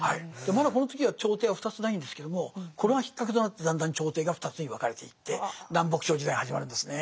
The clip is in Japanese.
まだこの時は朝廷は２つないんですけどもこれがきっかけとなってだんだん朝廷が２つに分かれていって南北朝時代が始まるんですね。